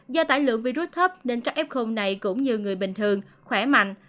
do tải lượng virus thấp nên các f này cũng như người bình thường khỏe mạnh